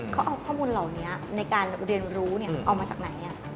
ข้อมูลเหล่านี้ในการเรียนรู้เนี่ยเอามาจากไหนเนี่ย